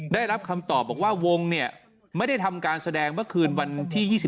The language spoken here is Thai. ได้รับคำตอบบอกว่าวงเนี่ยไม่ได้ทำการแสดงเมื่อคืนวันที่๒๔